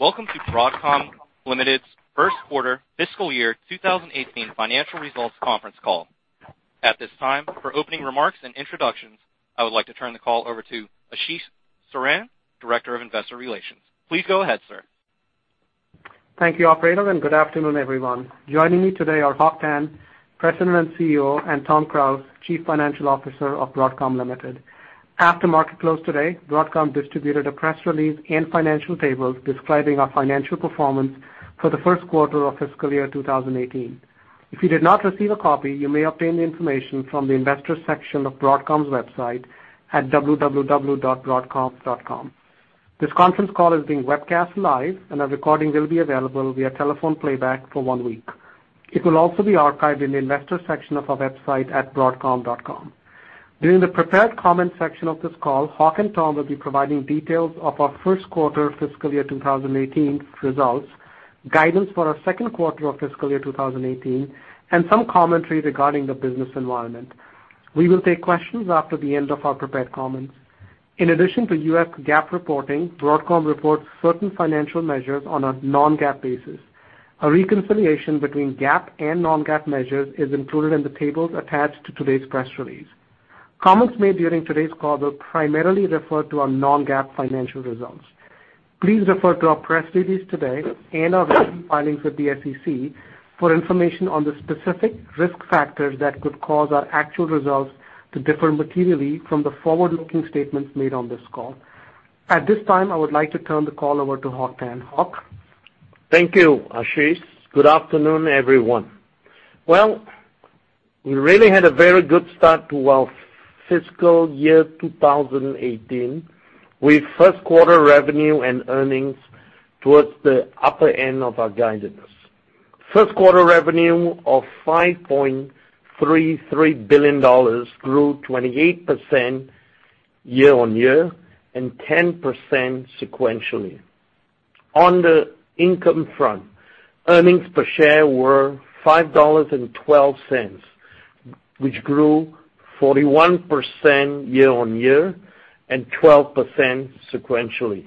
Welcome to Broadcom Limited's first quarter fiscal year 2018 financial results conference call. At this time, for opening remarks and introductions, I would like to turn the call over to Ashish Saran, Director of Investor Relations. Please go ahead, sir. Thank you, operator. Good afternoon, everyone. Joining me today are Hock Tan, President and CEO, and Tom Krause, Chief Financial Officer of Broadcom Limited. After market close today, Broadcom distributed a press release and financial tables describing our financial performance for the first quarter of fiscal year 2018. If you did not receive a copy, you may obtain the information from the investor section of Broadcom's website at www.broadcom.com. This conference call is being webcast live. A recording will be available via telephone playback for one week. It will also be archived in the investor section of our website at broadcom.com. During the prepared comment section of this call, Hock and Tom will be providing details of our first quarter fiscal year 2018 results, guidance for our second quarter of fiscal year 2018, some commentary regarding the business environment. We will take questions after the end of our prepared comments. In addition to US GAAP reporting, Broadcom reports certain financial measures on a non-GAAP basis. A reconciliation between GAAP and non-GAAP measures is included in the tables attached to today's press release. Comments made during today's call will primarily refer to our non-GAAP financial results. Please refer to our press release today and our recent filings with the SEC for information on the specific risk factors that could cause our actual results to differ materially from the forward-looking statements made on this call. At this time, I would like to turn the call over to Hock Tan. Hock? Thank you, Ashish. Good afternoon, everyone. We really had a very good start to our fiscal year 2018. With first quarter revenue and earnings towards the upper end of our guidance. First quarter revenue of $5.33 billion grew 28% year-on-year and 10% sequentially. On the income front, earnings per share were $5.12, which grew 41% year-on-year and 12% sequentially.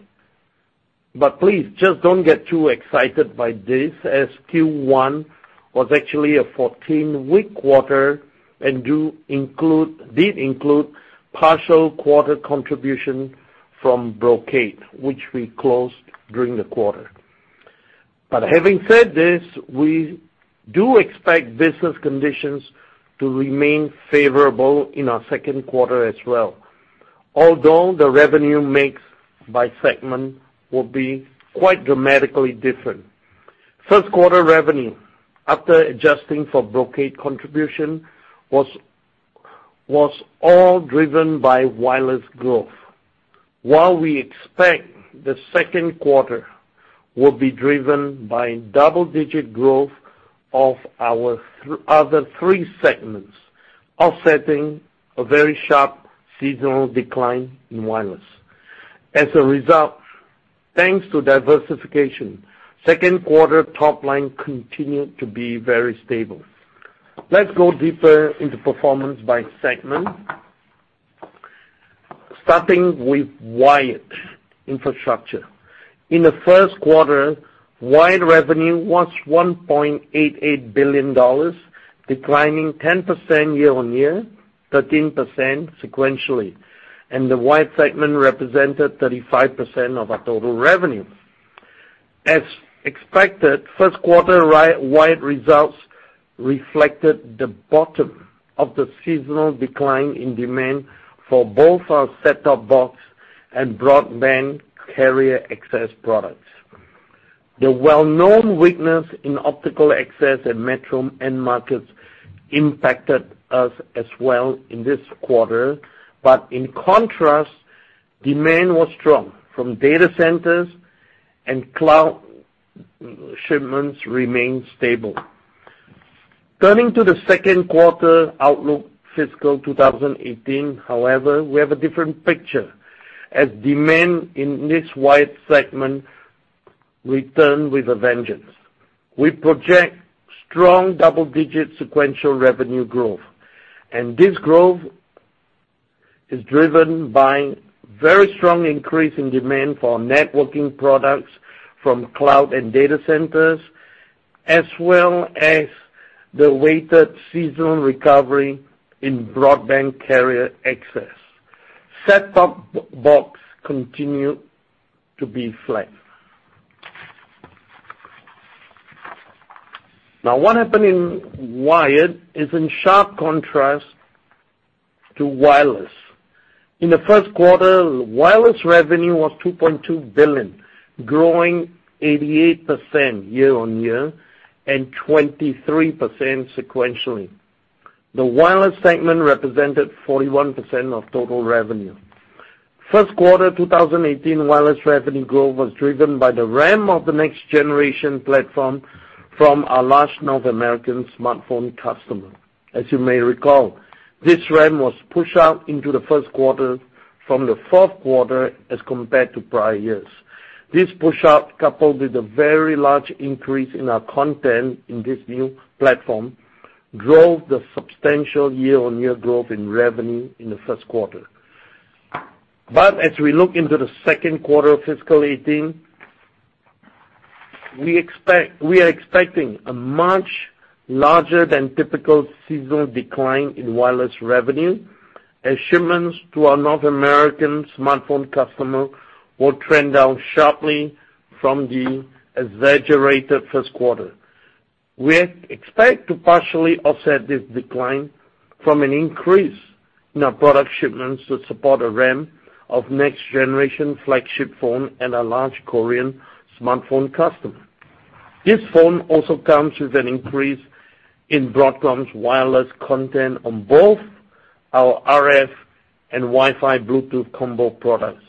Please, just don't get too excited by this, as Q1 was actually a 14-week quarter and did include partial quarter contribution from Brocade, which we closed during the quarter. Having said this, we do expect business conditions to remain favorable in our second quarter as well, although the revenue mix by segment will be quite dramatically different. First quarter revenue, after adjusting for Brocade contribution, was all driven by wireless growth. While we expect the second quarter will be driven by double-digit growth of our other three segments, offsetting a very sharp seasonal decline in wireless. As a result, thanks to diversification, second quarter top line continued to be very stable. Let's go deeper into performance by segment. Starting with wired infrastructure. In the first quarter, wired revenue was $1.88 billion, declining 10% year-on-year, 13% sequentially, and the wired segment represented 35% of our total revenue. As expected, first quarter wired results reflected the bottom of the seasonal decline in demand for both our set-top box and broadband carrier access products. The well-known weakness in optical access and metro end markets impacted us as well in this quarter, but in contrast, demand was strong from data centers and cloud shipments remained stable. Turning to the second quarter outlook fiscal 2018, however, we have a different picture as demand in this wired segment returned with a vengeance. We project strong double-digit sequential revenue growth, and this growth is driven by very strong increase in demand for networking products from cloud and data centers, as well as the weighted seasonal recovery in broadband carrier access. Set-top box continued to be flat. What happened in wired is in sharp contrast to wireless. In the first quarter, wireless revenue was $2.2 billion, growing 88% year-on-year and 23% sequentially. The wireless segment represented 41% of total revenue. First quarter 2018 wireless revenue growth was driven by the ramp of the next generation platform from our large North American smartphone customer. As you may recall, this ramp was pushed out into the first quarter from the fourth quarter as compared to prior years. This pushout, coupled with a very large increase in our content in this new platform drove the substantial year-on-year growth in revenue in the first quarter. As we look into the second quarter of fiscal 2018, we are expecting a much larger than typical seasonal decline in wireless revenue as shipments to our North American smartphone customer will trend down sharply from the exaggerated first quarter. We expect to partially offset this decline from an increase in our product shipments to support a ramp of next generation flagship phone and a large Korean smartphone customer. This phone also comes with an increase in Broadcom's wireless content on both our RF and Wi-Fi Bluetooth combo products.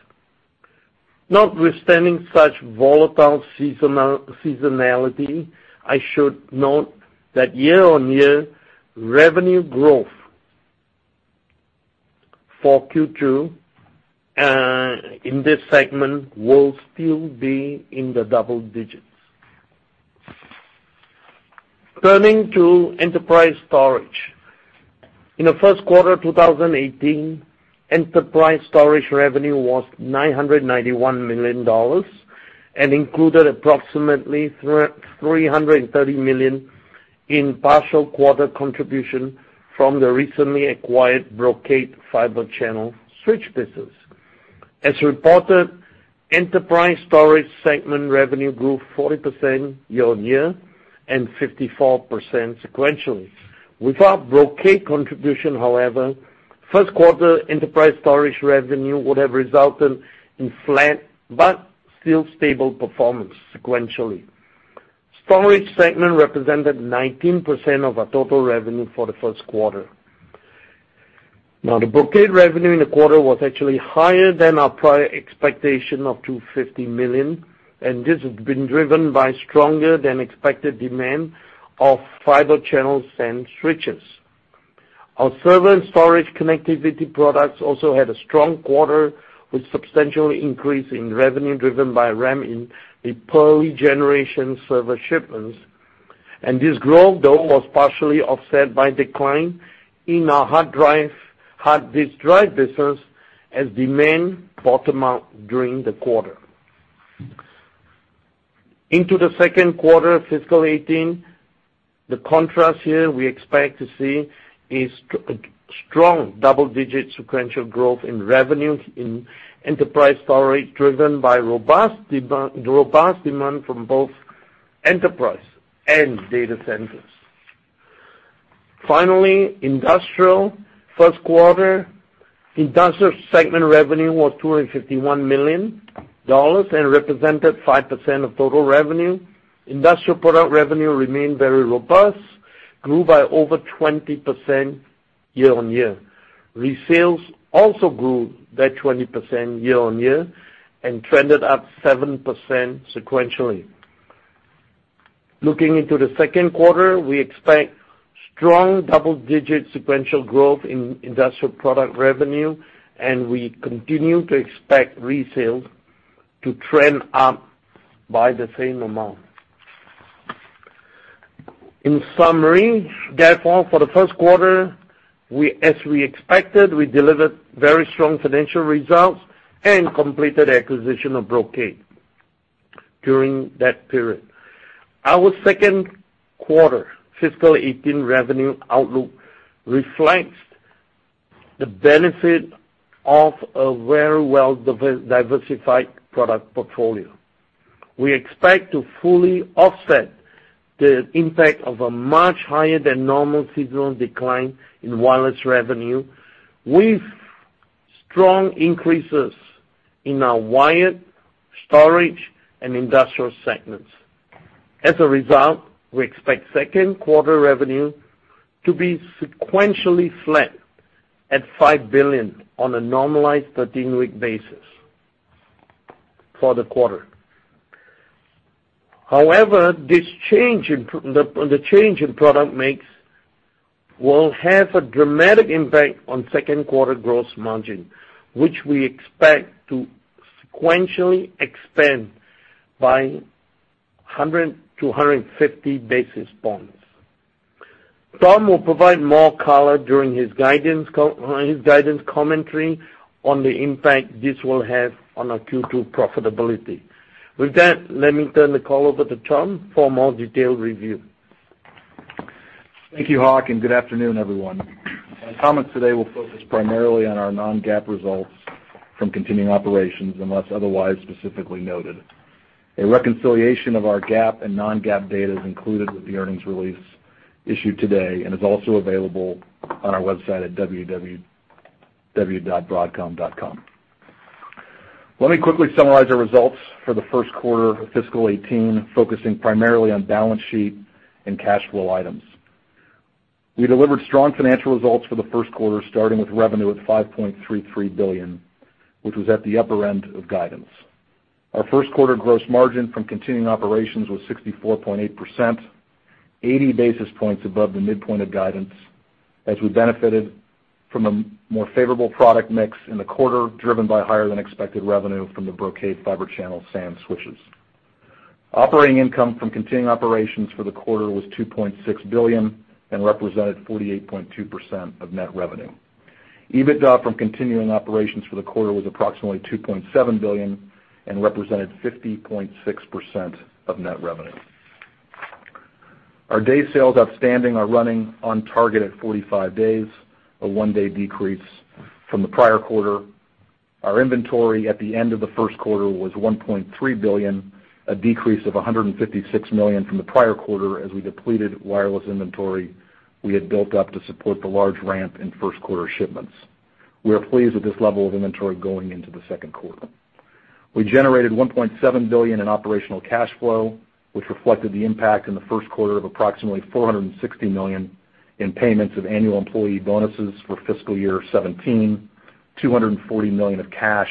Notwithstanding such volatile seasonality, I should note that year-on-year revenue growth for Q2 in this segment will still be in the double digits. Turning to enterprise storage. In the first quarter 2018, enterprise storage revenue was $991 million and included approximately $330 million in partial quarter contribution from the recently acquired Brocade Fibre Channel switch business. As reported, enterprise storage segment revenue grew 40% year-on-year and 54% sequentially. Without Brocade contribution, however, first quarter enterprise storage revenue would have resulted in flat but still stable performance sequentially. Storage segment represented 19% of our total revenue for the first quarter. The Brocade revenue in the quarter was actually higher than our prior expectation of $250 million, and this has been driven by stronger than expected demand of Fibre Channel and switches. Our server and storage connectivity products also had a strong quarter with substantial increase in revenue driven by a ramp in the Purley generation server shipments. This growth, though, was partially offset by decline in our hard disk drive business as demand bottomed out during the quarter. Into the second quarter of fiscal 2018, the contrast here we expect to see is a strong double-digit sequential growth in revenue in enterprise storage, driven by robust demand from both enterprise and data centers. Finally, industrial first quarter. Industrial segment revenue was $251 million and represented 5% of total revenue. Industrial product revenue remained very robust, grew by over 20% year-on-year. Resales also grew by 20% year-on-year and trended up 7% sequentially. Looking into the second quarter, we expect strong double-digit sequential growth in industrial product revenue, and we continue to expect resales to trend up by the same amount. In summary, therefore, for the first quarter, as we expected, we delivered very strong financial results and completed acquisition of Brocade during that period. Our second quarter fiscal 2018 revenue outlook reflects the benefit of a very well-diversified product portfolio. We expect to fully offset the impact of a much higher than normal seasonal decline in wireless revenue with strong increases in our wired, storage, and industrial segments. As a result, we expect second quarter revenue to be sequentially flat at $5 billion on a normalized 13-week basis for the quarter. However, the change in product mix will have a dramatic impact on second quarter gross margin, which we expect to sequentially expand by 100 to 150 basis points. Tom will provide more color during his guidance commentary on the impact this will have on our Q2 profitability. With that, let me turn the call over to Tom for a more detailed review. Thank you, Hock, and good afternoon, everyone. My comments today will focus primarily on our non-GAAP results from continuing operations, unless otherwise specifically noted. A reconciliation of our GAAP and non-GAAP data is included with the earnings release issued today and is also available on our website at www.broadcom.com. Let me quickly summarize our results for the first quarter of fiscal 2018, focusing primarily on balance sheet and cash flow items. We delivered strong financial results for the first quarter, starting with revenue at $5.33 billion, which was at the upper end of guidance. Our first quarter gross margin from continuing operations was 64.8%, 80 basis points above the midpoint of guidance, as we benefited from a more favorable product mix in the quarter, driven by higher than expected revenue from the Brocade Fibre Channel SAN switches. Operating income from continuing operations for the quarter was $2.6 billion and represented 48.2% of net revenue. EBITDA from continuing operations for the quarter was approximately $2.7 billion and represented 50.6% of net revenue. Our day sales outstanding are running on target at 45 days, a one-day decrease from the prior quarter. Our inventory at the end of the first quarter was $1.3 billion, a decrease of $156 million from the prior quarter as we depleted wireless inventory we had built up to support the large ramp in first-quarter shipments. We are pleased with this level of inventory going into the second quarter. We generated $1.7 billion in operational cash flow, which reflected the impact in the first quarter of approximately $460 million in payments of annual employee bonuses for fiscal year 2017, $240 million of cash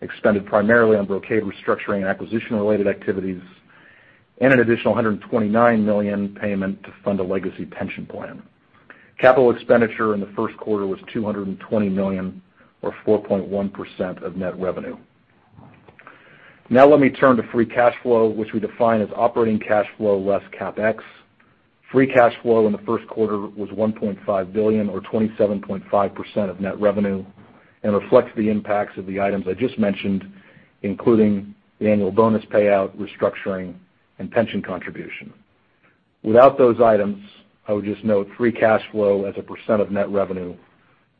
extended primarily on Brocade restructuring and acquisition-related activities, and an additional $129 million payment to fund a legacy pension plan. Capital expenditure in the first quarter was $220 million or 4.1% of net revenue. Now let me turn to free cash flow, which we define as operating cash flow less CapEx. Free cash flow in the first quarter was $1.5 billion or 27.5% of net revenue and reflects the impacts of the items I just mentioned, including the annual bonus payout, restructuring, and pension contribution. Without those items, I would just note free cash flow as a percent of net revenue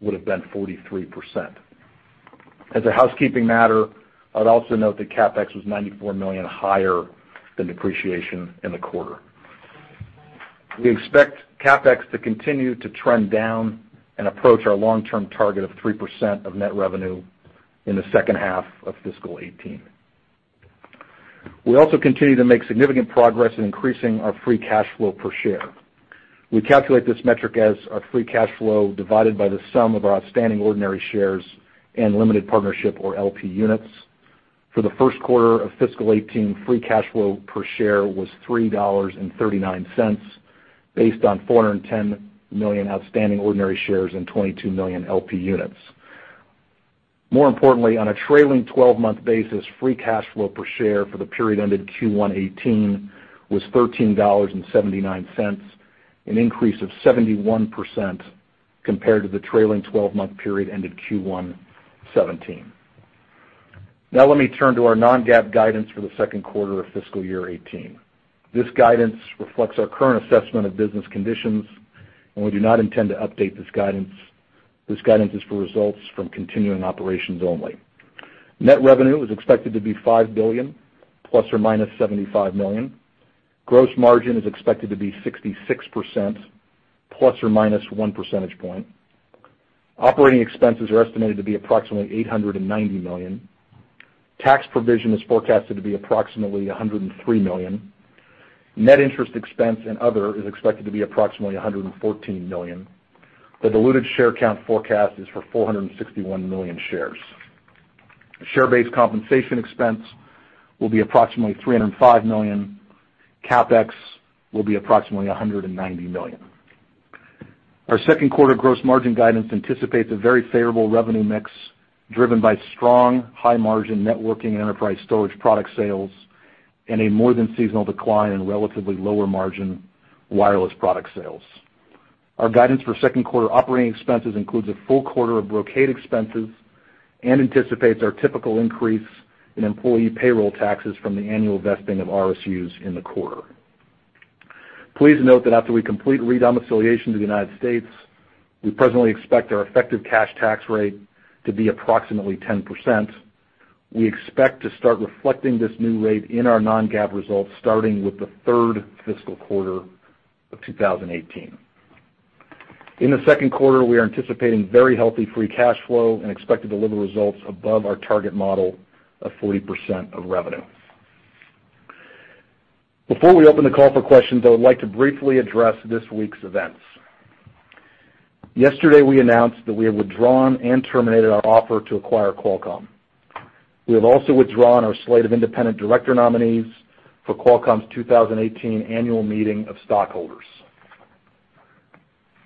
would've been 43%. As a housekeeping matter, I'd also note that CapEx was $94 million higher than depreciation in the quarter. We expect CapEx to continue to trend down and approach our long-term target of 3% of net revenue in the second half of fiscal 2018. We also continue to make significant progress in increasing our free cash flow per share. We calculate this metric as our free cash flow divided by the sum of our outstanding ordinary shares and limited partnership or LP units. For the first quarter of fiscal 2018, free cash flow per share was $3.39, based on 410 million outstanding ordinary shares and 22 million LP units. More importantly, on a trailing 12-month basis, free cash flow per share for the period ended Q1 2018 was $13.79, an increase of 71% compared to the trailing 12-month period ended Q1 2017. Now let me turn to our non-GAAP guidance for the second quarter of fiscal year 2018. This guidance reflects our current assessment of business conditions, we do not intend to update this guidance. This guidance is for results from continuing operations only. Net revenue is expected to be $5 billion ±$75 million. Gross margin is expected to be 66% ±one percentage point. Operating expenses are estimated to be approximately $890 million. Tax provision is forecasted to be approximately $103 million. Net interest expense and other is expected to be approximately $114 million. The diluted share count forecast is for 461 million shares. Share-based compensation expense will be approximately $305 million. CapEx will be approximately $190 million. Our second quarter gross margin guidance anticipates a very favorable revenue mix driven by strong high-margin networking enterprise storage product sales and a more than seasonal decline in relatively lower margin wireless product sales. Our guidance for second quarter operating expenses includes a full quarter of Brocade expenses and anticipates our typical increase in employee payroll taxes from the annual vesting of RSUs in the quarter. Please note that after we complete re-domiciliation to the United States, we presently expect our effective cash tax rate to be approximately 10%. We expect to start reflecting this new rate in our non-GAAP results starting with the third fiscal quarter of 2018. In the second quarter, we are anticipating very healthy free cash flow and expect to deliver results above our target model of 40% of revenue. Before we open the call for questions, I would like to briefly address this week's events. Yesterday, we announced that we have withdrawn and terminated our offer to acquire Qualcomm. We have also withdrawn our slate of independent director nominees for Qualcomm's 2018 annual meeting of stockholders.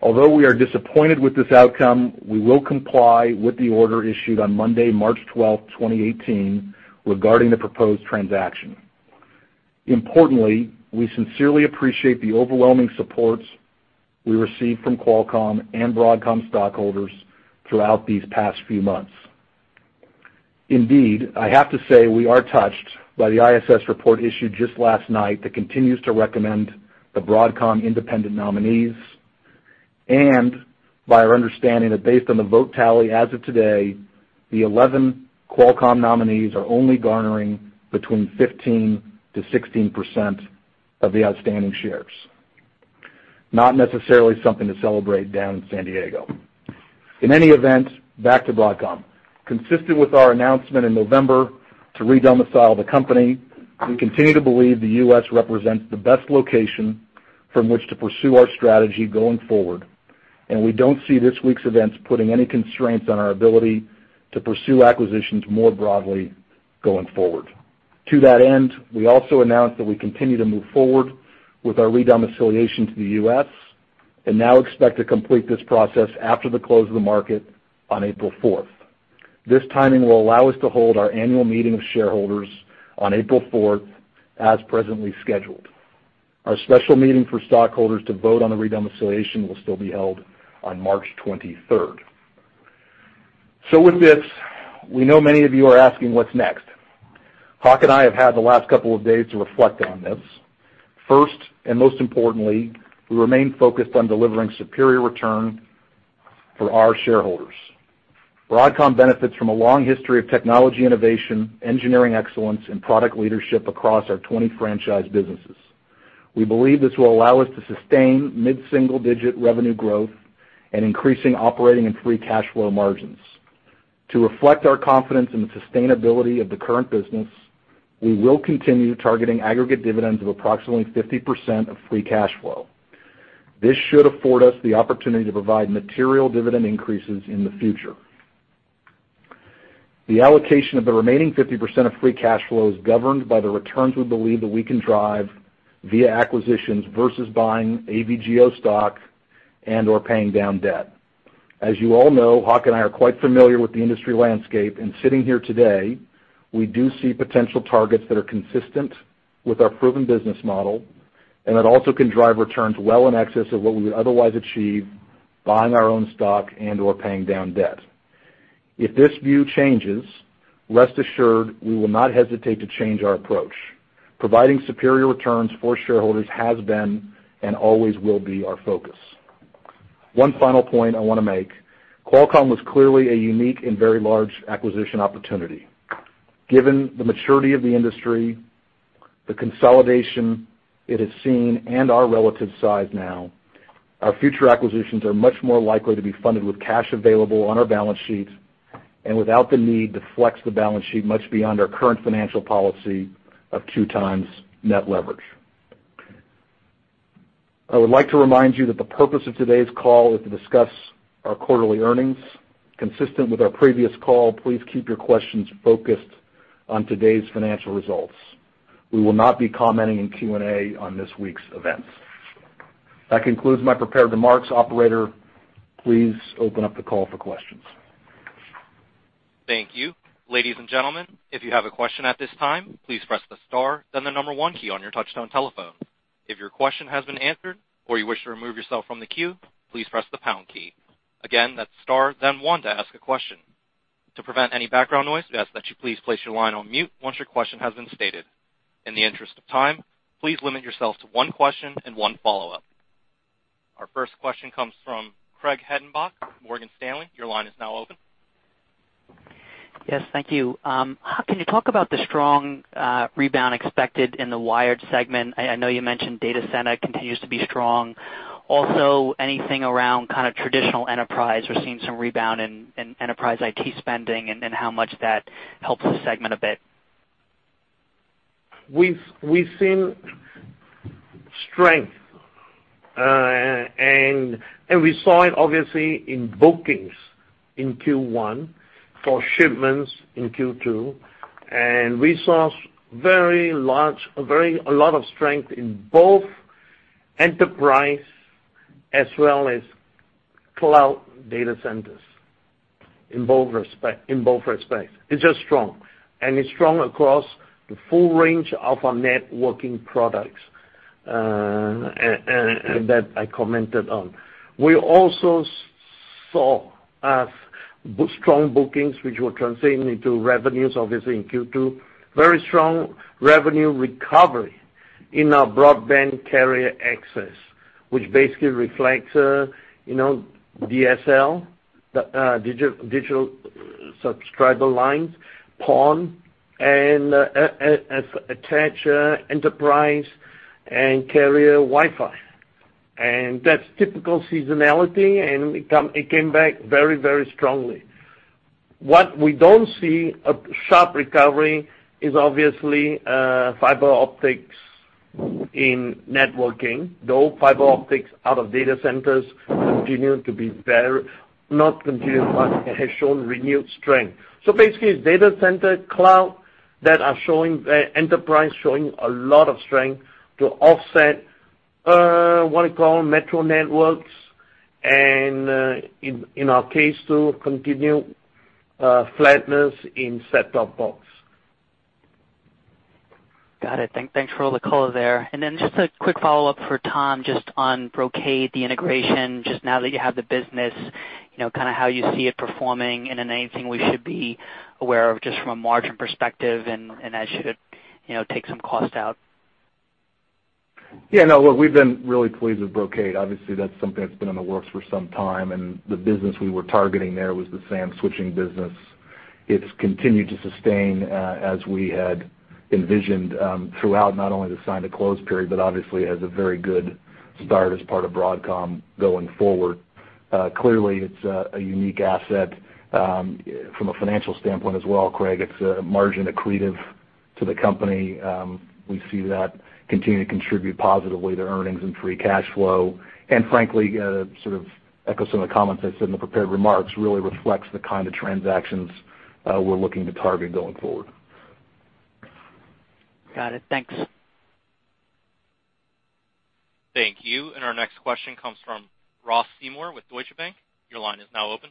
Although we are disappointed with this outcome, we will comply with the order issued on Monday, March 12th, 2018, regarding the proposed transaction. Importantly, we sincerely appreciate the overwhelming supports we received from Qualcomm and Broadcom stockholders throughout these past few months. Indeed, I have to say, we are touched by the ISS report issued just last night that continues to recommend the Broadcom independent nominees and by our understanding that based on the vote tally as of today, the 11 Qualcomm nominees are only garnering between 15%-16% of the outstanding shares. Not necessarily something to celebrate down in San Diego. In any event, back to Broadcom. Consistent with our announcement in November to re-domicile the company, we continue to believe the U.S. represents the best location from which to pursue our strategy going forward. We don't see this week's events putting any constraints on our ability to pursue acquisitions more broadly going forward. To that end, we also announced that we continue to move forward with our re-domiciliation to the U.S. and now expect to complete this process after the close of the market on April 4th. This timing will allow us to hold our annual meeting of shareholders on April 4th, as presently scheduled. Our special meeting for stockholders to vote on the re-domiciliation will still be held on March 23rd. With this, we know many of you are asking what's next. Hock and I have had the last couple of days to reflect on this. First, most importantly, we remain focused on delivering superior return for our shareholders. Broadcom benefits from a long history of technology innovation, engineering excellence, and product leadership across our 20 franchise businesses. We believe this will allow us to sustain mid-single-digit revenue growth and increasing operating and free cash flow margins. To reflect our confidence in the sustainability of the current business, we will continue targeting aggregate dividends of approximately 50% of free cash flow. This should afford us the opportunity to provide material dividend increases in the future. The allocation of the remaining 50% of free cash flow is governed by the returns we believe that we can drive via acquisitions versus buying AVGO stock and/or paying down debt. As you all know, Hock and I are quite familiar with the industry landscape. Sitting here today, we do see potential targets that are consistent with our proven business model. That also can drive returns well in excess of what we would otherwise achieve buying our own stock and/or paying down debt. If this view changes, rest assured we will not hesitate to change our approach. Providing superior returns for shareholders has been and always will be our focus. One final point I want to make. Qualcomm was clearly a unique and very large acquisition opportunity. Given the maturity of the industry, the consolidation it has seen, and our relative size now, our future acquisitions are much more likely to be funded with cash available on our balance sheet and without the need to flex the balance sheet much beyond our current financial policy of two times net leverage. I would like to remind you that the purpose of today's call is to discuss our quarterly earnings. Consistent with our previous call, please keep your questions focused on today's financial results. We will not be commenting in Q&A on this week's events. That concludes my prepared remarks. Operator, please open up the call for questions. Thank you. Ladies and gentlemen, if you have a question at this time, please press the star then the number 1 key on your touch-tone telephone. If your question has been answered or you wish to remove yourself from the queue, please press the pound key. Again, that's star then 1 to ask a question. To prevent any background noise, we ask that you please place your line on mute once your question has been stated. In the interest of time, please limit yourself to one question and one follow-up. Our first question comes from Craig Hettenbach, Morgan Stanley. Your line is now open. Yes, thank you. Hock, can you talk about the strong rebound expected in the wired segment? I know you mentioned data center continues to be strong. Also, anything around kind of traditional enterprise? We're seeing some rebound in enterprise IT spending and how much that helps the segment a bit. We've seen strength, and we saw it obviously in bookings in Q1 for shipments in Q2, and we saw a lot of strength in both enterprise as well as cloud data centers, in both respects. It's just strong, and it's strong across the full range of our networking products that I commented on. We also saw strong bookings, which will translate into revenues, obviously, in Q2. Very strong revenue recovery in our broadband carrier access, which basically reflects DSL, digital subscriber lines, PON, and attached enterprise and carrier Wi-Fi. That's typical seasonality, and it came back very strongly. What we don't see a sharp recovery is obviously fiber optics in networking, though fiber optics out of data centers continue to be very, not continue, but has shown renewed strength. Basically, it's data center cloud that are showing enterprise showing a lot of strength to offset, what I call metro networks and, in our case too, continued flatness in set-top box. Got it. Thanks for all the color there. Just a quick follow-up for Tom, just on Brocade, the integration, just now that you have the business, kind of how you see it performing, and then anything we should be aware of just from a margin perspective and as you take some cost out. Look, we've been really pleased with Brocade. Obviously, that's something that's been in the works for some time, and the business we were targeting there was the same switching business. It's continued to sustain as we had envisioned throughout not only the sign to close period, but obviously as a very good start as part of Broadcom going forward. Clearly, it's a unique asset from a financial standpoint as well, Craig. It's margin accretive to the company. We see that continue to contribute positively to earnings and free cash flow. Frankly, sort of echo some of the comments I said in the prepared remarks, really reflects the kind of transactions we're looking to target going forward. Got it. Thanks. Thank you. Our next question comes from Ross Seymore with Deutsche Bank. Your line is now open.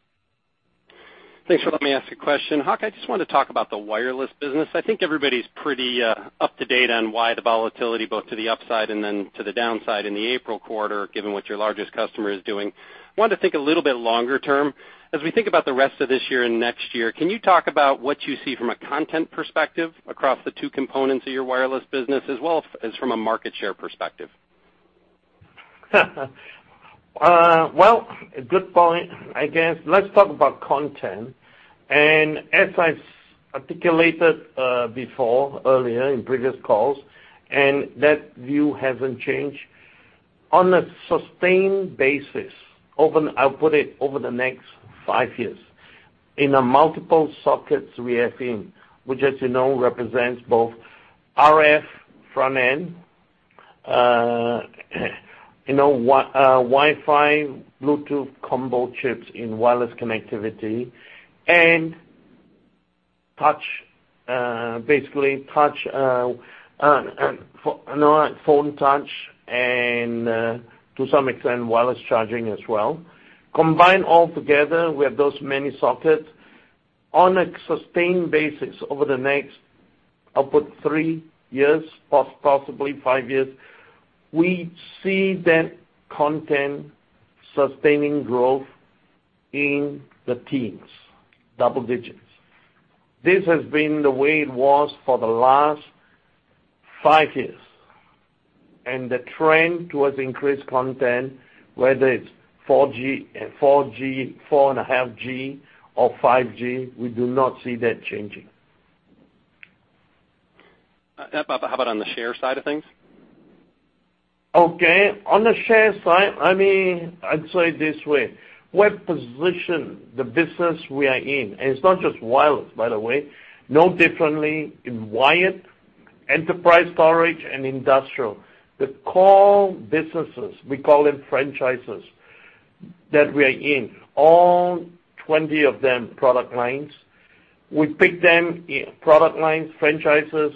Thanks for letting me ask a question. Hock, I just wanted to talk about the wireless business. I think everybody's pretty up to date on why the volatility, both to the upside and then to the downside in the April quarter, given what your largest customer is doing. Wanted to think a little bit longer term. As we think about the rest of this year and next year, can you talk about what you see from a content perspective across the two components of your wireless business as well as from a market share perspective? Well, a good point. I guess let's talk about content. As I've articulated before, earlier in previous calls, that view hasn't changed. On a sustained basis, I'll put it over the next five years, in a multiple sockets we are in, which, as you know, represents both RF front end, Wi-Fi, Bluetooth combo chips in wireless connectivity, and touch, basically touch, phone touch and to some extent, wireless charging as well. Combined all together with those many sockets, on a sustained basis over the next, I'll put three years, possibly five years, we see that content sustaining growth in the teens, double digits. This has been the way it was for the last five years, the trend towards increased content, whether it's 4G, 4.5G or 5G, we do not see that changing. How about on the share side of things? Okay. On the share side, I'd say it this way, what position the business we are in, and it's not just wireless, by the way, no differently in wired, enterprise storage and industrial. The core businesses, we call them franchises, that we are in, all 20 of them, product lines. We pick them, product lines, franchises,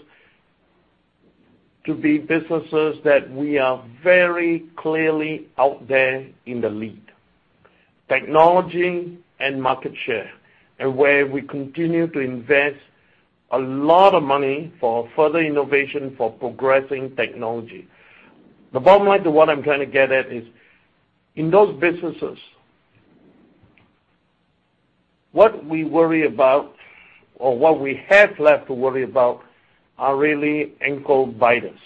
to be businesses that we are very clearly out there in the lead, technology and market share, and where we continue to invest a lot of money for further innovation for progressing technology. The bottom line to what I'm trying to get at is, in those businesses, what we worry about or what we have left to worry about are really ankle biters.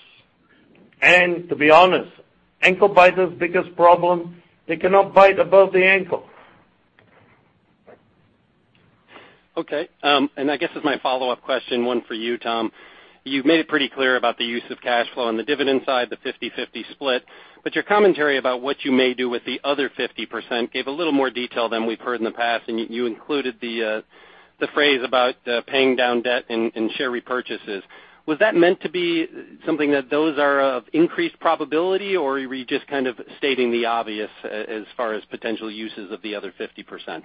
To be honest, ankle biters' biggest problem, they cannot bite above the ankle. Okay. I guess as my follow-up question, one for you, Tom. You've made it pretty clear about the use of cash flow on the dividend side, the 50/50 split. Your commentary about what you may do with the other 50% gave a little more detail than we've heard in the past, you included the phrase about paying down debt and share repurchases. Was that meant to be something that those are of increased probability, or were you just kind of stating the obvious as far as potential uses of the other 50%?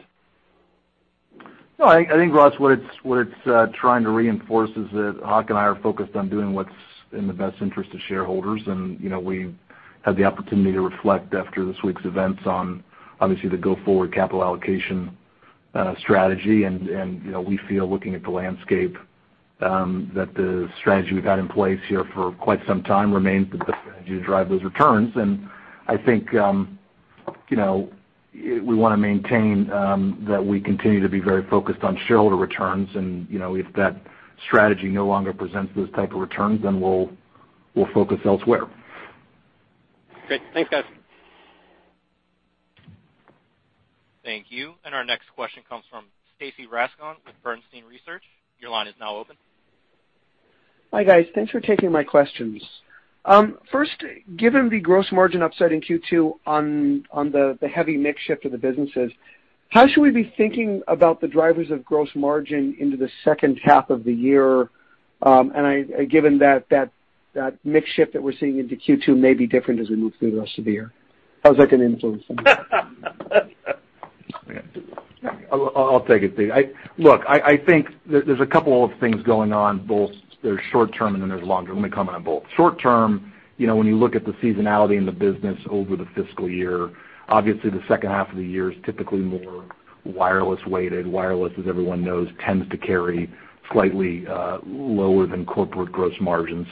I think, Ross, what it's trying to reinforce is that Hock and I are focused on doing what's in the best interest of shareholders, we had the opportunity to reflect after this week's events on, obviously, the go-forward capital allocation strategy. We feel looking at the landscape, that the strategy we've had in place here for quite some time remains the best strategy to drive those returns. I think we want to maintain that we continue to be very focused on shareholder returns, if that strategy no longer presents those type of returns, then we'll focus elsewhere. Great. Thanks, guys. Thank you. Our next question comes from Stacy Rasgon with Bernstein Research. Your line is now open. Hi, guys. Thanks for taking my questions. First, given the gross margin upside in Q2 on the heavy mix shift of the businesses, how should we be thinking about the drivers of gross margin into the second half of the year, and given that mix shift that we're seeing into Q2 may be different as we move through the rest of the year? How is that going to influence things? I'll take it, Steve. Look, I think there's a couple of things going on, both there's short term and then there's longer term. Let me comment on both. Short term, when you look at the seasonality in the business over the fiscal year, obviously the second half of the year is typically more wireless weighted. Wireless, as everyone knows, tends to carry slightly lower than corporate gross margin.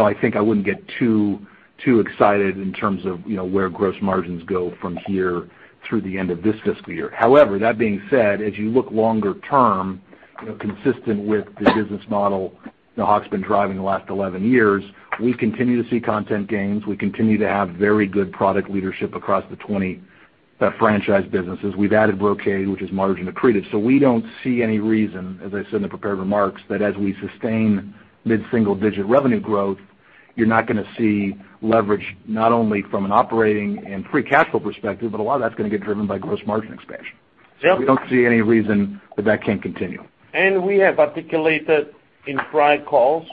I think I wouldn't get too excited in terms of where gross margins go from here through the end of this fiscal year. However, that being said, as you look longer term, consistent with the business model that Hock's been driving the last 11 years, we continue to see content gains. We continue to have very good product leadership across the 20 franchise businesses. We've added Brocade, which is margin accretive. We don't see any reason, as I said in the prepared remarks, that as we sustain mid-single digit revenue growth, you're not going to see leverage, not only from an operating and free cash flow perspective, but a lot of that's going to get driven by gross margin expansion. Yeah. We don't see any reason that that can't continue. We have articulated in prior calls,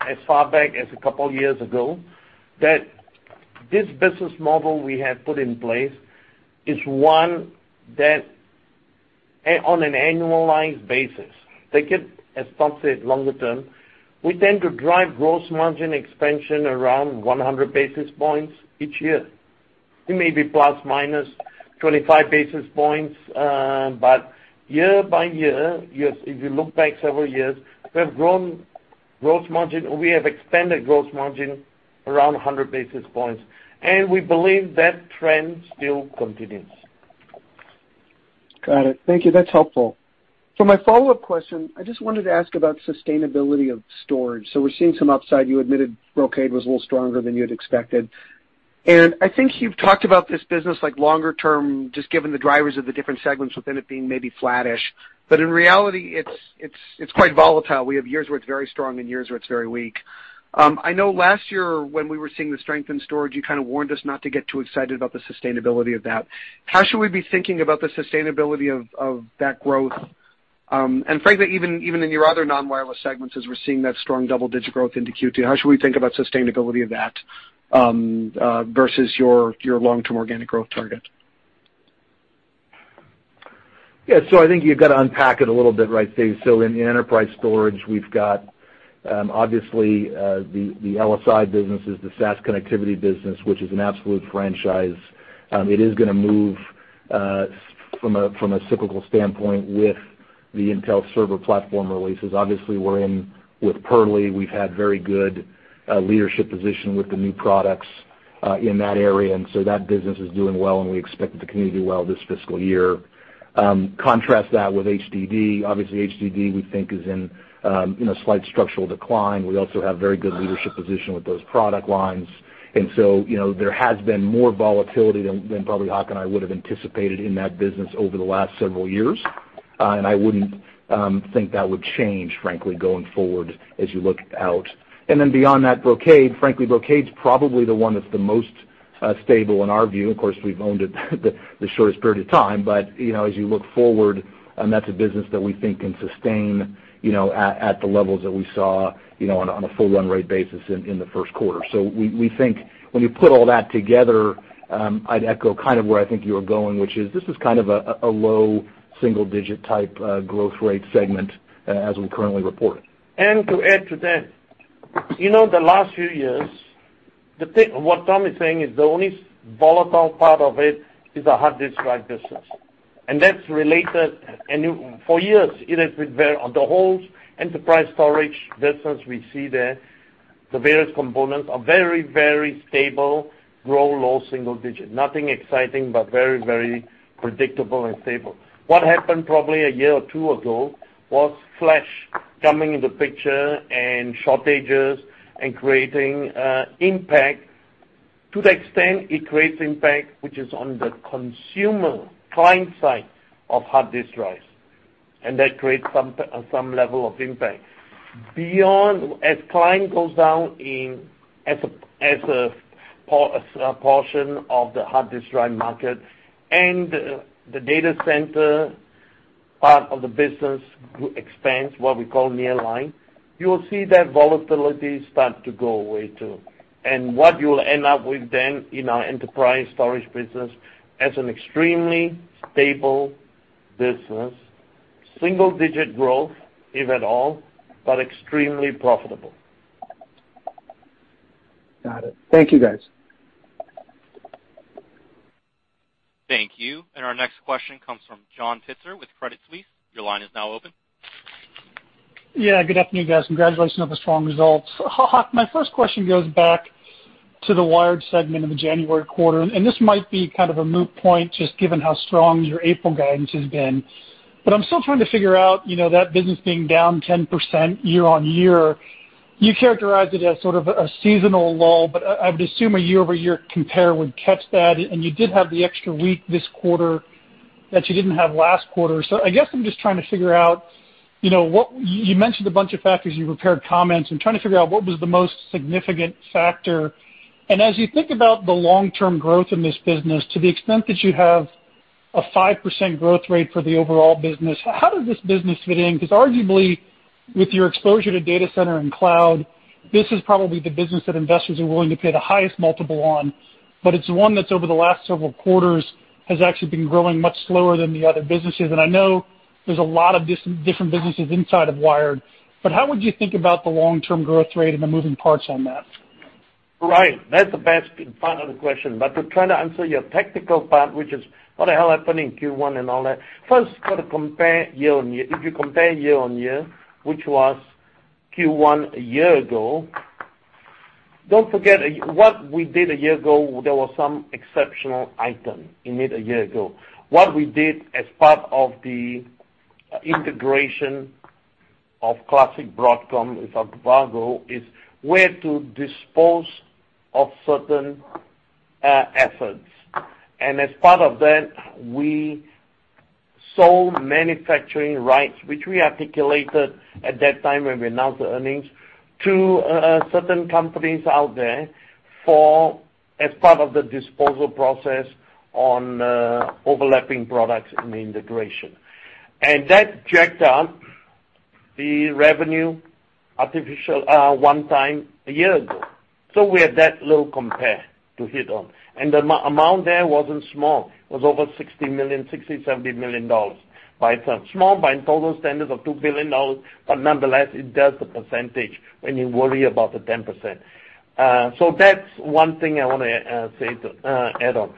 as far back as a couple of years ago, that this business model we have put in place is one that on an annualized basis. They get, as Tom said, longer-term, we tend to drive gross margin expansion around 100 basis points each year. It may be ±25 basis points. Year by year, if you look back several years, we have grown gross margin, or we have expanded gross margin around 100 basis points, and we believe that trend still continues. Got it. Thank you. That's helpful. For my follow-up question, I just wanted to ask about sustainability of storage. We're seeing some upside. You admitted Brocade was a little stronger than you had expected, and I think you've talked about this business longer term, just given the drivers of the different segments within it being maybe flattish. In reality, it's quite volatile. We have years where it's very strong and years where it's very weak. I know last year when we were seeing the strength in storage, you kind of warned us not to get too excited about the sustainability of that. How should we be thinking about the sustainability of that growth? Frankly, even in your other non-wireless segments, as we're seeing that strong double-digit growth into Q2, how should we think about sustainability of that versus your long-term organic growth target? I think you've got to unpack it a little bit right there. In the enterprise storage, we've got obviously the LSI businesses, the SAS connectivity business, which is an absolute franchise. It is going to move from a cyclical standpoint with the Intel server platform releases. Obviously, we're in with Purley. We've had very good leadership position with the new products in that area, and that business is doing well, and we expect it to continue to do well this fiscal year. Contrast that with HDD. Obviously, HDD, we think, is in a slight structural decline. We also have very good leadership position with those product lines. There has been more volatility than probably Hock and I would have anticipated in that business over the last several years. I wouldn't think that would change, frankly, going forward as you look out. Beyond that, Brocade, frankly, Brocade's probably the one that's the most stable in our view. Of course, we've owned it the shortest period of time. As you look forward, that's a business that we think can sustain at the levels that we saw on a full run rate basis in the first quarter. We think when you put all that together, I'd echo kind of where I think you're going, which is this is kind of a low single-digit type growth rate segment as we currently report it. To add to that, the last few years, what Tom is saying is the only volatile part of it is the hard disk drive business, and that's related. For years, the whole enterprise storage business we see there, the various components are very stable, grow low single digit, nothing exciting, but very predictable and stable. What happened probably a year or two ago was flash coming in the picture and shortages and creating impact. To the extent it creates impact, which is on the consumer client side of hard disk drives, and that creates some level of impact. As client goes down as a portion of the hard disk drive market and the data center part of the business expands, what we call nearline, you will see that volatility start to go away too. What you'll end up with then in our enterprise storage business, as an extremely stable business, single-digit growth, if at all, but extremely profitable. Got it. Thank you, guys. Thank you. Our next question comes from John Pitzer with Credit Suisse. Your line is now open. Yeah, good afternoon, guys. Congratulations on the strong results. Hock, my first question goes back to the wired segment of the January quarter. This might be kind of a moot point, just given how strong your April guidance has been. I'm still trying to figure out that business being down 10% year-on-year. You characterized it as sort of a seasonal lull, but I would assume a year-over-year compare would catch that, and you did have the extra week this quarter that you didn't have last quarter. I guess I'm just trying to figure out, you mentioned a bunch of factors in your prepared comments. I'm trying to figure out what was the most significant factor. As you think about the long-term growth in this business, to the extent that you have a 5% growth rate for the overall business, how does this business fit in? Because arguably, with your exposure to data center and cloud, this is probably the business that investors are willing to pay the highest multiple on. It's one that's over the last several quarters has actually been growing much slower than the other businesses. I know there's a lot of different businesses inside of Wired, but how would you think about the long-term growth rate and the moving parts on that? Right. That's the best part of the question. To try to answer your tactical part, which is what the hell happened in Q1 and all that, first you got to compare year-on-year. If you compare year-on-year, which was Q1 a year ago, don't forget what we did a year ago, there was some exceptional item in it a year ago. What we did as part of the integration of classic Broadcom with Avago is we had to dispose of certain assets. As part of that, we sold manufacturing rights, which we articulated at that time when we announced the earnings to certain companies out there as part of the disposal process on overlapping products in the integration. That jacked up the revenue, artificial, one-time a year ago. We had that little compare to hit on. The amount there wasn't small. It was over $60 million, $70 million by turn. Small by total standards of $2 billion, but nonetheless, it does the percentage when you worry about the 10%. That's one thing I want to add on.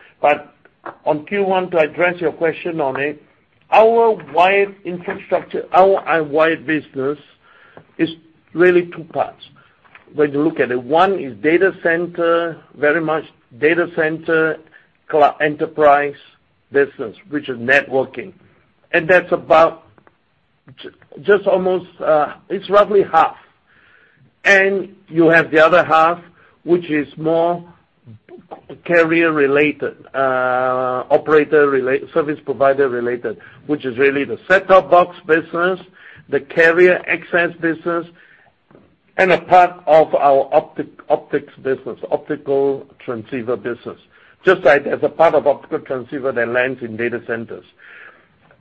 On Q1, to address your question on it, our wired infrastructure, our wired business is really two parts when you look at it. One is data center, very much data center, enterprise business, which is networking. That's about just almost, it's roughly half. You have the other half, which is more carrier-related, operator-related, service provider-related, which is really the set-top box business, the carrier access business, and a part of our optics business, optical transceiver business. Just like as a part of optical transceiver that lands in data centers.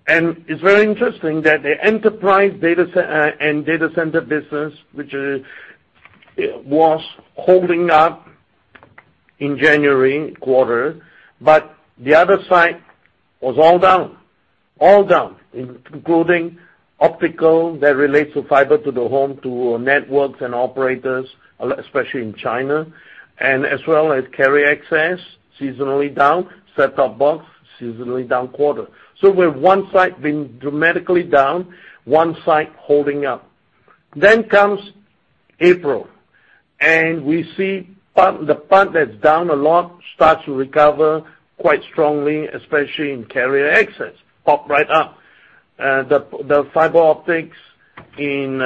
It's very interesting that the enterprise and data center business, which was holding up in January quarter, but the other side was all down. All down, including optical that relates to fiber to the home, to networks and operators, especially in China, and as well as carrier access, seasonally down, set-top box, seasonally down quarter. With one side been dramatically down, one side holding up. Comes April, and we see the part that's down a lot starts to recover quite strongly, especially in carrier access. Popped right up. The fiber optics in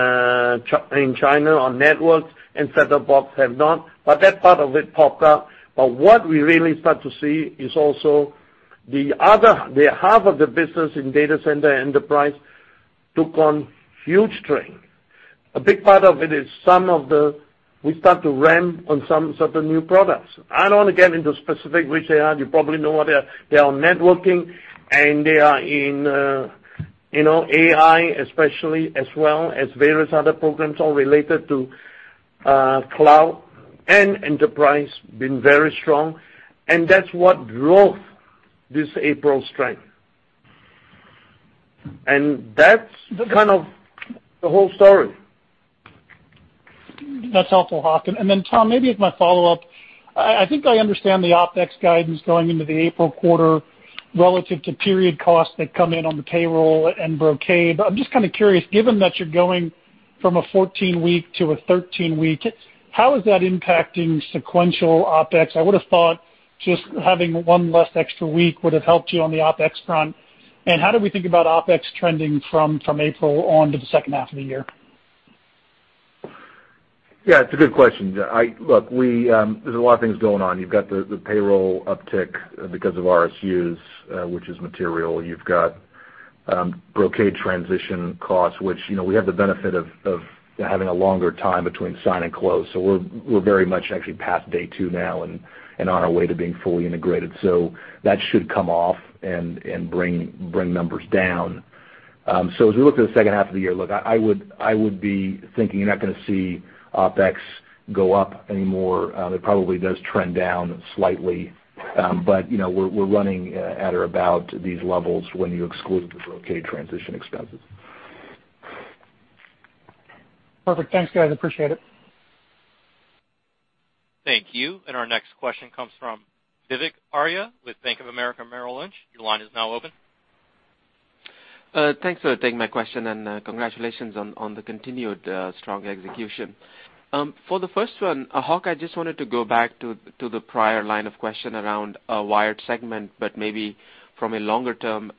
China on networks and set-top box have not, but that part of it popped up. What we really start to see is also the other, the half of the business in data center enterprise took on huge strength. A big part of it is we start to ramp on some of the new products. I don't want to get into specific which they are. You probably know where they are. They are networking, they are in AI especially, as well as various other programs all related to cloud and enterprise, been very strong, that's what drove this April strength. That's kind of the whole story. That's helpful, Hock. Tom, maybe as my follow-up, I think I understand the OpEx guidance going into the April quarter relative to period costs that come in on the payroll and Brocade. I'm just kind of curious, given that you're going from a 14-week to a 13-week, how is that impacting sequential OpEx? I would've thought just having one less extra week would have helped you on the OpEx front. How do we think about OpEx trending from April on to the second half of the year? Yeah, it's a good question. Look, there's a lot of things going on. You've got the payroll uptick because of RSUs, which is material. You've got Brocade transition costs, which we have the benefit of having a longer time between sign and close. We're very much actually past day two now and on our way to being fully integrated. That should come off and bring numbers down. As we look to the second half of the year, look, I would be thinking you're not gonna see OpEx go up anymore. It probably does trend down slightly. We're running at or about these levels when you exclude the Brocade transition expenses. Perfect. Thanks, guys. Appreciate it. Thank you. Our next question comes from Vivek Arya with Bank of America Merrill Lynch. Your line is now open. Thanks for taking my question, congratulations on the continued strong execution. For the first one, Hock, I just wanted to go back to the prior line of question around wired segment, but maybe from a longer-term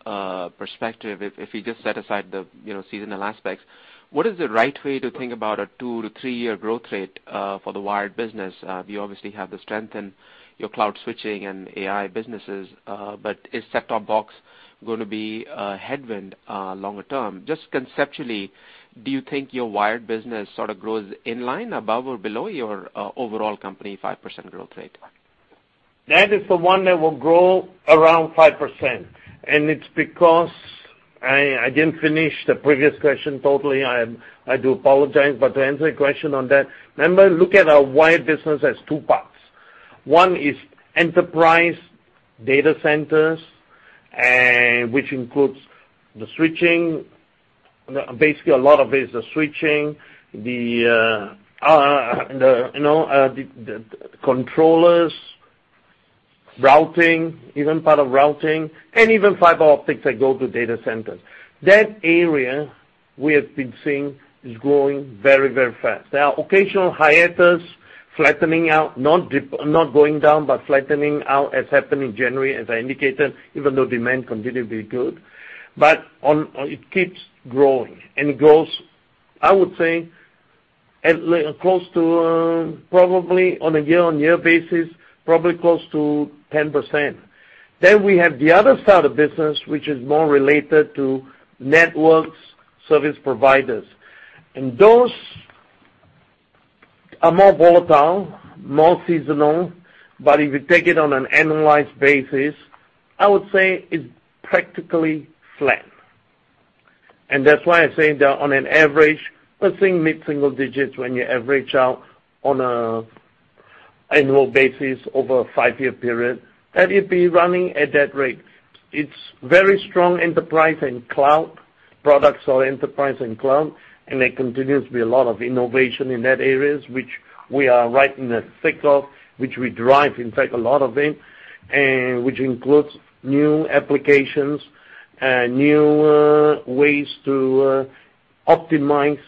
perspective, if you just set aside the seasonal aspects. What is the right way to think about a two to three-year growth rate for the wired business? You obviously have the strength in your cloud switching and AI businesses. Is set-top box going to be a headwind longer term? Just conceptually, do you think your wired business sort of grows in line above or below your overall company 5% growth rate? That is the one that will grow around 5%. It's because I didn't finish the previous question totally. I do apologize. To answer your question on that, remember, look at our wired business as two parts. One is enterprise data centers, which includes the switching. Basically a lot of it is the switching, the controllers, routing, even part of routing, and even fiber optics that go to data centers. That area we have been seeing is growing very, very fast. There are occasional hiatus, flattening out, not going down, but flattening out as happened in January as I indicated, even though demand continued to be good. It keeps growing, and it grows, I would say, close to probably on a year-on-year basis, probably close to 10%. We have the other side of business, which is more related to networks service providers. Those are more volatile, more seasonal, but if you take it on an annualized basis, I would say it's practically flat. That's why I say that on an average, we're seeing mid-single digits when you average out on an annual basis over a five-year period, that it'd be running at that rate. It's very strong enterprise and cloud products or enterprise and cloud. There continues to be a lot of innovation in that areas, which we are right in the thick of, which we drive, in fact, a lot of it. Which includes new applications, new ways to optimize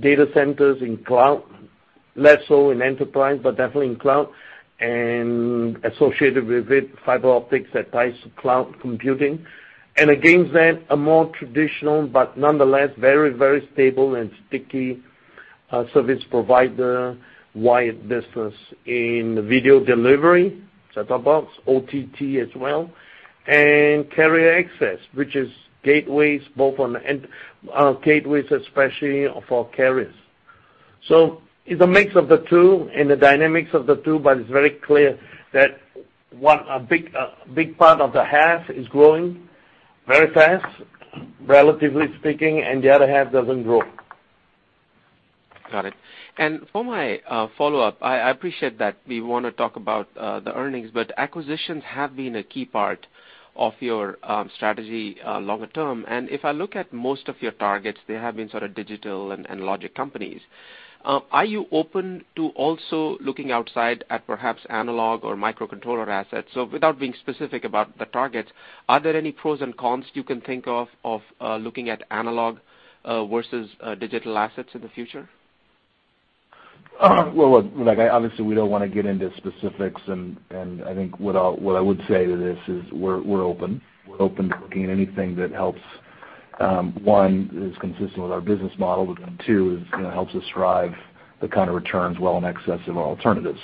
data centers in cloud, less so in enterprise, but definitely in cloud. Associated with it, fiber optics that ties to cloud computing. Against that, a more traditional but nonetheless very stable and sticky service provider, wired business in video delivery, set-top box, OTT as well, and carrier access, which is gateways, especially for carriers. It's a mix of the two and the dynamics of the two, but it's very clear that a big part of the half is growing very fast, relatively speaking, and the other half doesn't grow. Got it. For my follow-up, I appreciate that we want to talk about the earnings, acquisitions have been a key part of your strategy longer term. If I look at most of your targets, they have been sort of digital and logic companies. Are you open to also looking outside at perhaps analog or microcontroller assets? Without being specific about the targets, are there any pros and cons you can think of looking at analog versus digital assets in the future? Look, obviously, we don't want to get into specifics, I think what I would say to this is we're open. We're open to looking at anything that helps, one, is consistent with our business model, then two, is helps us drive the kind of returns well in excess of our alternatives.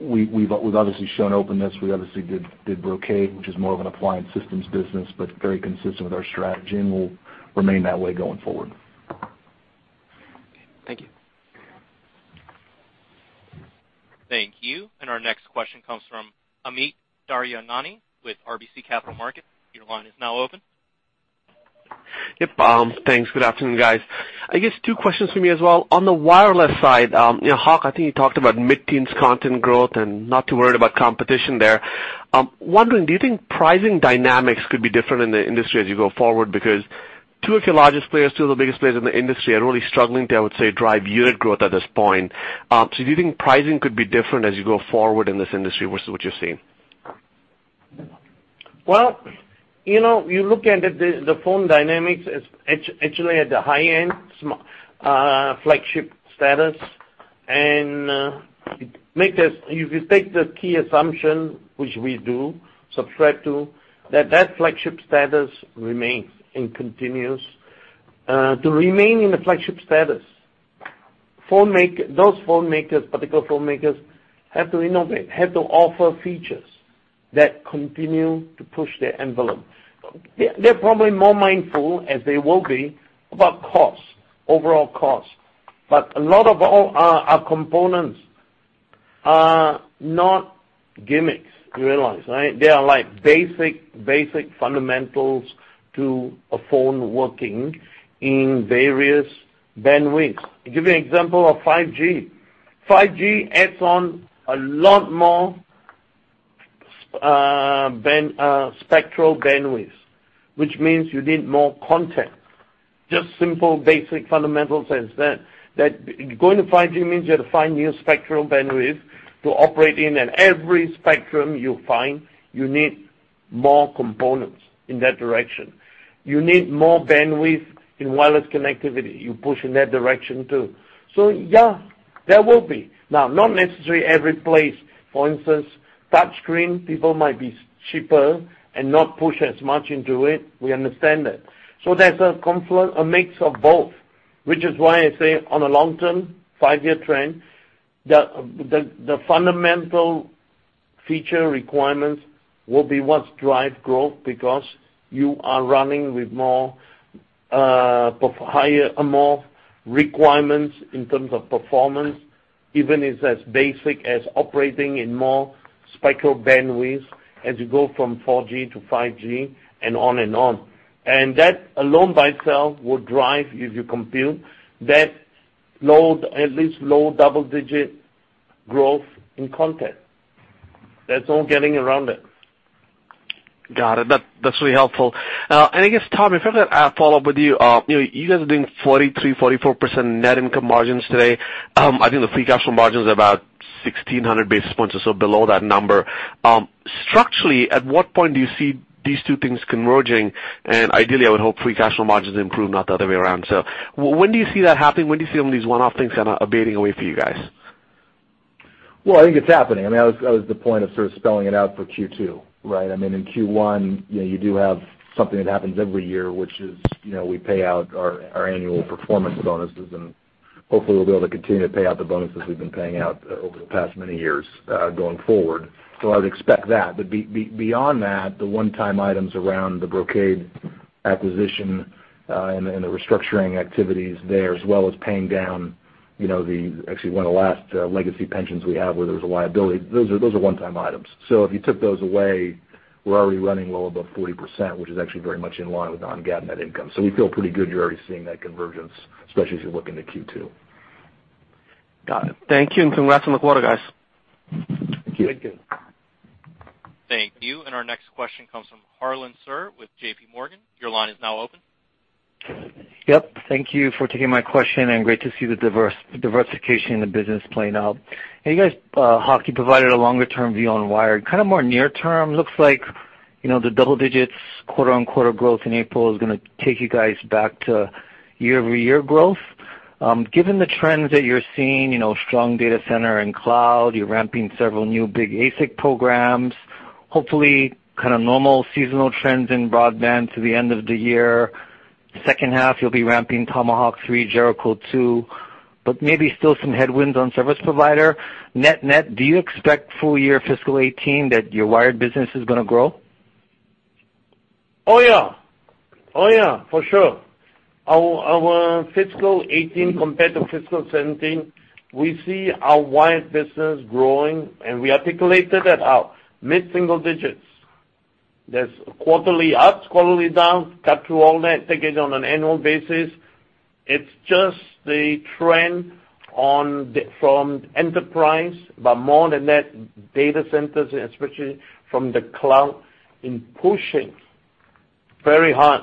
We've obviously shown openness. We obviously did Brocade, which is more of an appliance systems business, but very consistent with our strategy, and we'll remain that way going forward. Okay. Thank you. Thank you. Our next question comes from Amit Daryanani with RBC Capital Markets. Your line is now open. Yep. Thanks. Good afternoon, guys. I guess two questions for me as well. On the wireless side, Hock, I think you talked about mid-teens content growth and not too worried about competition there. I'm wondering, do you think pricing dynamics could be different in the industry as you go forward? Two of your largest players, two of the biggest players in the industry, are really struggling to, I would say, drive unit growth at this point. Do you think pricing could be different as you go forward in this industry versus what you're seeing? You look at the phone dynamics, it's actually at the high end, flagship status. If you take the key assumption, which we do subscribe to, that that flagship status remains and continues. To remain in a flagship status, those phone makers, particular phone makers, have to innovate, have to offer features that continue to push their envelope. They're probably more mindful as they will be about costs, overall costs. A lot of our components are not gimmicks, you realize, right? They are basic fundamentals to a phone working in various bandwidths. To give you an example of 5G. 5G adds on a lot more spectral bandwidth, which means you need more content. Just simple, basic, fundamental sense that going to 5G means you have to find new spectral bandwidth to operate in, and every spectrum you find, you need more components in that direction. You need more bandwidth in wireless connectivity. You push in that direction, too. Yeah, there will be. Not necessarily every place. For instance, touchscreen, people might be cheaper and not push as much into it. We understand that. There's a mix of both, which is why I say on a long-term five-year trend, the fundamental feature requirements will be what drive growth because you are running with more requirements in terms of performance, even if it's as basic as operating in more spectral bandwidth as you go from 4G to 5G and on and on. That alone by itself will drive, if you compute, that at least low double-digit growth in content. There's no getting around it. Got it. That's really helpful. I guess, Tom, if I could follow up with you. You guys are doing 43%, 44% net income margins today. I think the free cash flow margins are about 1,600 basis points or so below that number. Structurally, at what point do you see these two things converging? Ideally, I would hope free cash flow margins improve, not the other way around. When do you see that happening? When do you see some of these one-off things kind of abating away for you guys? I think it's happening. That was the point of sort of spelling it out for Q2, right? In Q1, you do have something that happens every year, which is we pay out our annual performance bonuses, and hopefully we'll be able to continue to pay out the bonuses we've been paying out over the past many years going forward. I would expect that. Beyond that, the one-time items around the Brocade acquisition and the restructuring activities there, as well as paying down actually one of the last legacy pensions we have where there was a liability. Those are one-time items. If you took those away, we're already running a little above 40%, which is actually very much in line with non-GAAP net income. We feel pretty good you're already seeing that convergence, especially as you look into Q2. Got it. Thank you, and congrats on the quarter, guys. Thank you. Thank you. Our next question comes from Harlan Sur with J.P. Morgan. Your line is now open. Yep. Thank you for taking my question, and great to see the diversification in the business playing out. Hey, guys, Hock, you provided a longer-term view on wired. Kind of more near term, looks like, the double-digit quarter-over-quarter growth in April is going to take you guys back to year-over-year growth. Given the trends that you're seeing, strong data center and cloud, you're ramping several new big ASIC programs. Hopefully, kind of normal seasonal trends in broadband to the end of the year. Second half, you'll be ramping Tomahawk 3, Jericho 2, but maybe still some headwinds on service provider. Net net, do you expect full year fiscal 2018 that your wired business is going to grow? Oh, yeah. For sure. Our fiscal 2018 compared to fiscal 2017, we see our wired business growing, and we articulated that out. Mid-single digits. There's quarterly ups, quarterly downs, cut through all that, take it on an annual basis. It's just the trend from enterprise, but more than that, data centers, especially from the cloud in pushing very hard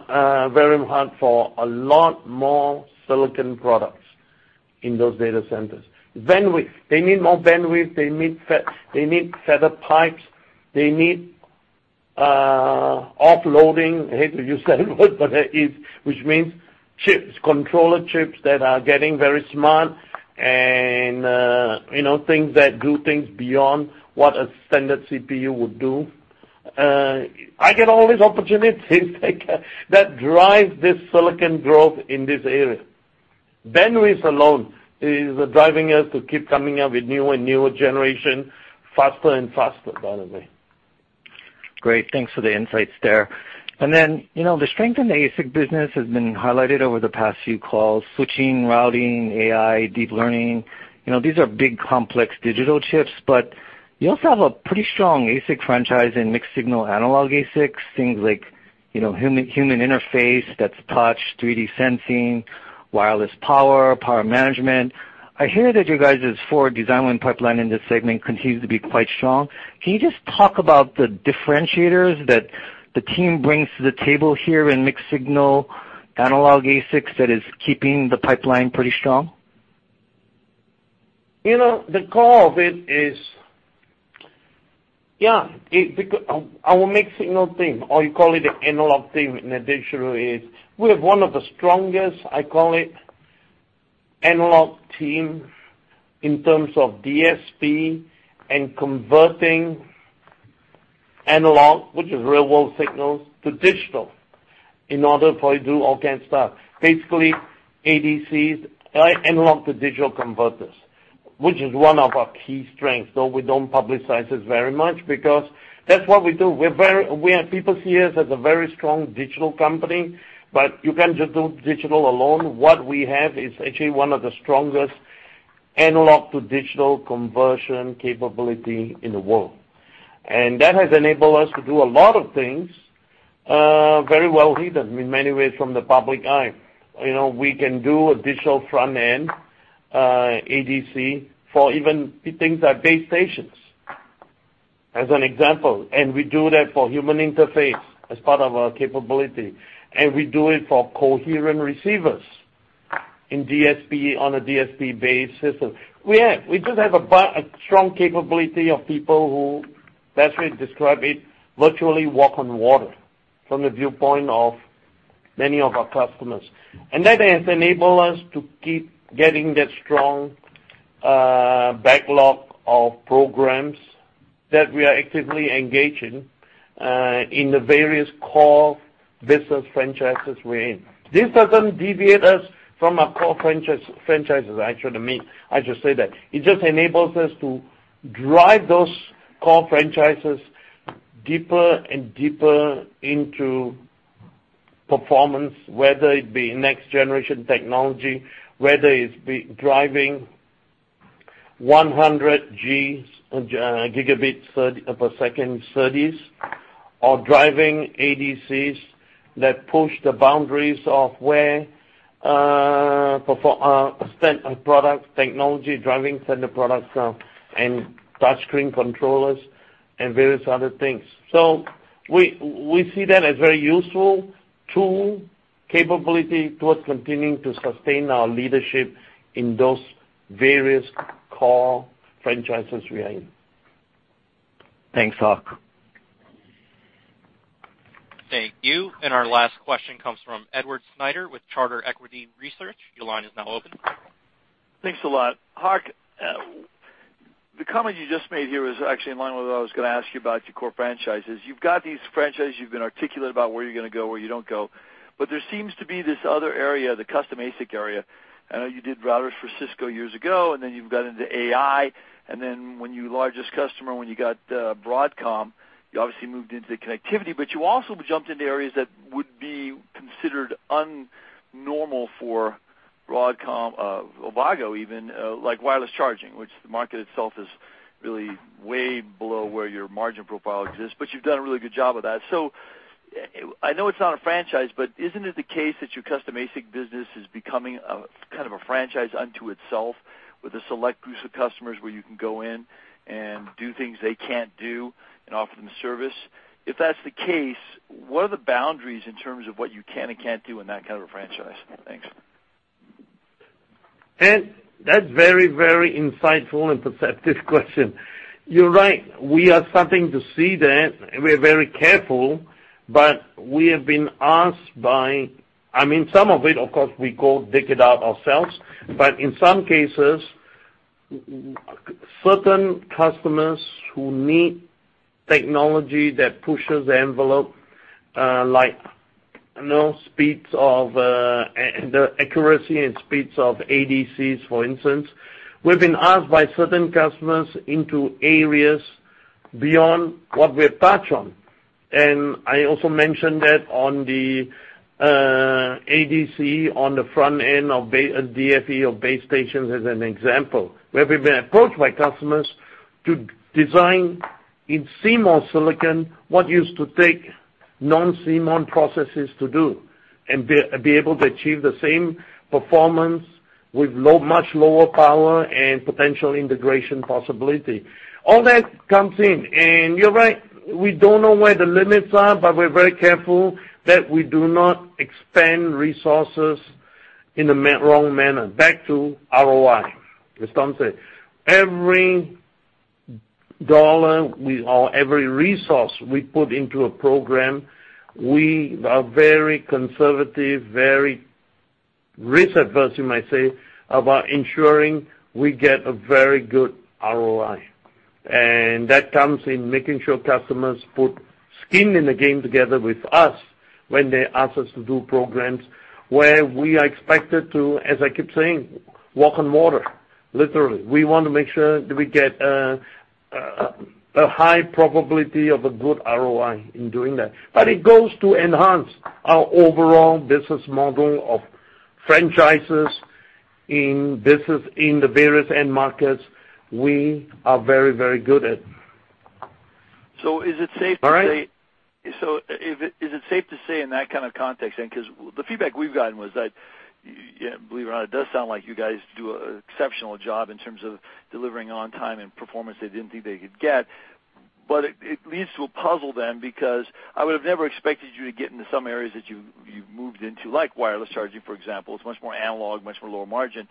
for a lot more silicon products in those data centers. Bandwidth. They need more bandwidth. They need fatter pipes. They need offloading, I hate to use that word, but that is, which means chips, controller chips that are getting very smart and things that do things beyond what a standard CPU would do. I get all these opportunities that drive this silicon growth in this area. Bandwidth alone is driving us to keep coming up with newer generation faster and faster, by the way. Great. Thanks for the insights there. Then, the strength in the ASIC business has been highlighted over the past few calls, switching, routing, AI, deep learning. These are big, complex digital chips, but you also have a pretty strong ASIC franchise in mixed signal analog ASIC, things like human interface, that's touch, 3D sensing, wireless power management. I hear that you guys' forward design win pipeline in this segment continues to be quite strong. Can you just talk about the differentiators that the team brings to the table here in mixed signal analog ASICs that is keeping the pipeline pretty strong? The core of it is, our mixed signal team, or you call it the analog team in addition is, we have one of the strongest, I call it analog team in terms of DSP and converting analog, which is real world signals, to digital in order for you to do all kinds of stuff. Basically, ADCs, analog to digital converters, which is one of our key strengths, though we don't publicize this very much because that's what we do. People see us as a very strong digital company, but you can't just do digital alone. What we have is actually one of the strongest analog to digital conversion capability in the world. That has enabled us to do a lot of things very well hidden, in many ways, from the public eye. We can do a digital front end ADC for even things like base stations, as an example. We do that for human interface as part of our capability. We do it for coherent receivers on a DSP-based system. We just have a strong capability of people who, best way to describe it, virtually walk on water from the viewpoint of many of our customers. That has enabled us to keep getting that strong backlog of programs that we are actively engaged in the various core business franchises we're in. This doesn't deviate us from our core franchises. I should say that. It just enables us to drive those core franchises deeper and deeper into performance, whether it be next generation technology, whether it's driving 100 gigabits per second SerDes, or driving ADCs that push the boundaries of where products, technology, driving standard products now and touchscreen controllers and various other things. We see that as very useful tool capability towards continuing to sustain our leadership in those various core franchises we are in. Thanks, Hock. Thank you. Our last question comes from Edward Snyder with Charter Equity Research. Your line is now open. Thanks a lot. Hock, the comment you just made here is actually in line with what I was going to ask you about your core franchises. You've got these franchises, you've been articulate about where you're going to go, where you don't go. There seems to be this other area, the custom ASIC area. I know you did routers for Cisco years ago, then you've got into AI. Then when your largest customer, when you got Broadcom, you obviously moved into connectivity, but you also jumped into areas that would be considered un-normal for Broadcom, Avago even, like wireless charging, which the market itself is really way below where your margin profile exists, but you've done a really good job of that. I know it's not a franchise, but isn't it the case that your custom ASIC business is becoming a kind of a franchise unto itself with a select group of customers where you can go in and do things they can't do and offer them service? If that's the case, what are the boundaries in terms of what you can and can't do in that kind of a franchise? Thanks. Ed, that's very insightful and perceptive question. You're right, we are starting to see that, and we're very careful. Some of it, of course, we go dig it out ourselves. In some cases, certain customers who need technology that pushes the envelope, like accuracy and speeds of ADCs, for instance. We've been asked by certain customers into areas beyond what we've touched on. I also mentioned that on the ADC, on the front end of DFE of base stations as an example. Where we've been approached by customers to design in CMOS silicon what used to take non-CMOS processes to do, and be able to achieve the same performance with much lower power and potential integration possibility. All that comes in. You're right, we don't know where the limits are, but we're very careful that we do not expand resources in the wrong manner. Back to ROI, as Tom said. Every dollar or every resource we put into a program, we are very conservative, very risk adverse, you might say, about ensuring we get a very good ROI. That comes in making sure customers put skin in the game together with us when they ask us to do programs where we are expected to, as I keep saying, walk on water, literally. We want to make sure that we get a high probability of a good ROI in doing that. It goes to enhance our overall business model of franchises in business in the various end markets we are very good at. Is it safe to say? All right. Is it safe to say in that kind of context then, because the feedback we've gotten was that, believe it or not, it does sound like you guys do exceptional job in terms of delivering on time and performance they didn't think they could get. It leads to a puzzle then, because I would have never expected you to get into some areas that you've moved into, like wireless charging, for example. It's much more analog, much more lower margin.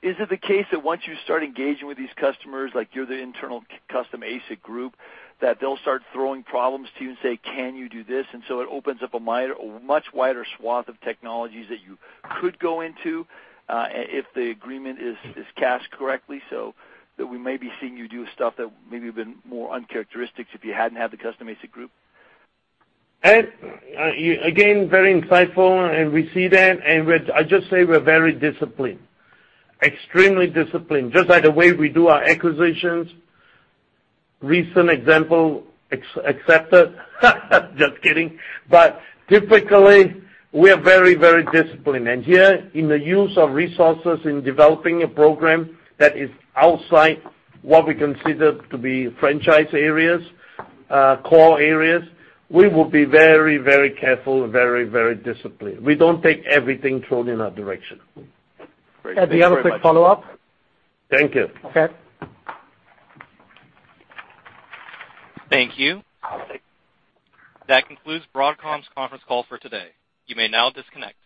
Is it the case that once you start engaging with these customers, like you're the internal custom ASIC group, that they'll start throwing problems to you and say, "Can you do this?" It opens up a much wider swath of technologies that you could go into, if the agreement is cast correctly, so that we may be seeing you do stuff that maybe have been more uncharacteristic if you hadn't had the custom ASIC group. Ed, again, very insightful, and we see that. I just say we're very disciplined, extremely disciplined, just like the way we do our acquisitions. Recent example accepted. Just kidding. Typically, we're very disciplined. Here in the use of resources in developing a program that is outside what we consider to be franchise areas, core areas, we will be very careful and very disciplined. We don't take everything thrown in our direction. Great. Thank you very much. Ed, do you have a quick follow-up? Thank you. Okay. Thank you. That concludes Broadcom's conference call for today. You may now disconnect.